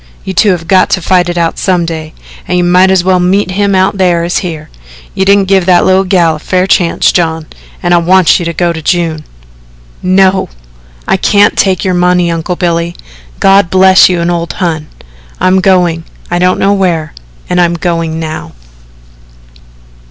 You two have got to fight it out some day, and you mought as well meet him out thar as here. You didn't give that little gal a fair chance, John, an' I want you to go to June." "No, I can't take your money, Uncle Billy God bless you and old Hon I'm going I don't know where and I'm going now."